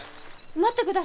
待ってください。